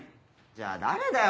じゃあ誰だよ？